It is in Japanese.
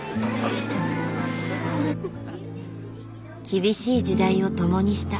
厳しい時代を共にした。